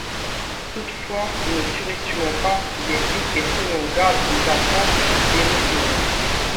Toutefois, ne surestimons pas ses effets et prenons garde aux attentes démesurées.